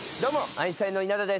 アインシュタインの稲田です。